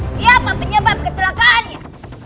siapa penyebab kecelakaannya